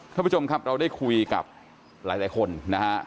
ท่านผู้ชมครับเราได้คุยกับหลายคนนะฮะ